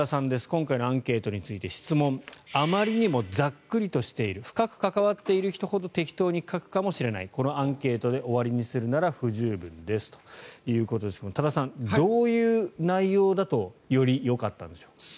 今回のアンケートについて質問があまりにもざっくりとしている深く関わっている人ほど適当に書くかもしれないこのアンケートで終わりにするなら不十分ですということですが多田さん、どういう内容だとよりよかったんでしょう？